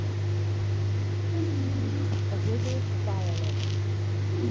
129 A WITHERED VIOLET.